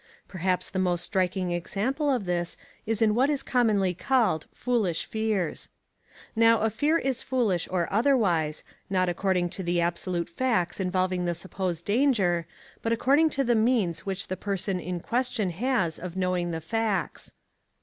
Perhaps the most striking example of this is in what is commonly called foolish fears. Now a fear is foolish or otherwise, not according to the absolute facts involving the supposed danger, but according to the means which the person in question has of knowing the facts.